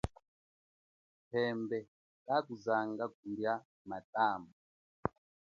Phembe kakuzanga kulia matamba.